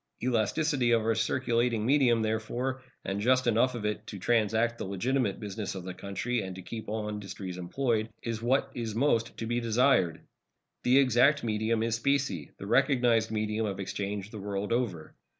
Elasticity to our circulating medium, therefore, and just enough of it to transact the legitimate business of the country and to keep all industries employed, is what is most to be desired. The exact medium is specie, the recognized medium of exchange the world over.